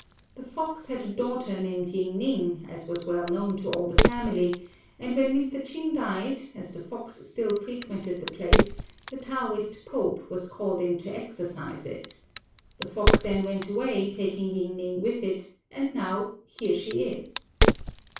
The fox had a daughter named Ying ning, as was well known to all the family; and when Mr. Ch'in died, as the fox still frequented the place, the Taoist Pope was called in to exorcise it. The fox then went away, taking Ying ning with it, and now here she is."